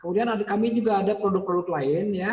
kemudian kami juga ada produk produk lain ya